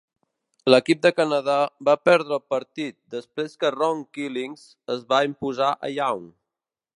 L'equip de Canadà va perdre el partit després que Ron Killings es va imposar a Young.